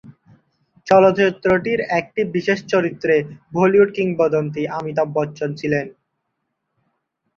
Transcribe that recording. চলচ্চিত্রটির একটি বিশেষ চরিত্রে বলিউড কিংবদন্তী অমিতাভ বচ্চন ছিলেন।